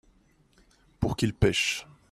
pour qu'ils pêchent.